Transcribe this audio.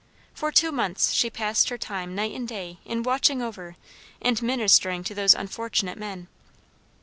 For two months she passed her time night and day in watching over and ministering to those unfortunate men.